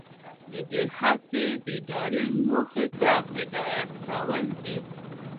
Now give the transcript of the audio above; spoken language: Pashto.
د دوی هڅې د ادارې موخې ته هدایت کول دي.